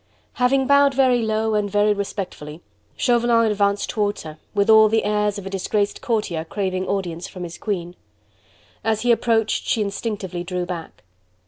Having bowed very low and very respectfully, Chauvelin advanced towards her, with all the airs of a disgraced courtier craving audience from his queen. As he approached she instinctively drew back.